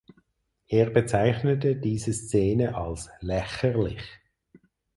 Er bezeichnete diese Szene als „lächerlich“.